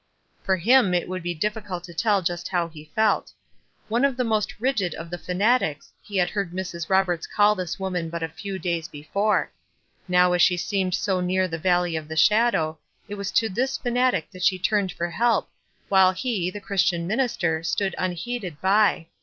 For him it would be difficult to tell just how he felt. "One of the most rigid of the fanatics," he had heard Mrs. Roberts call this woman but a few days before ; now as she seemed to near the " valley of the shadow" it w r as to this fanatic that she turned fur help, while he, the Christian minister, stood unheeded by.